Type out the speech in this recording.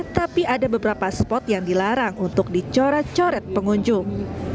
tapi ada beberapa spot yang dilarang untuk dicoret coret pengunjung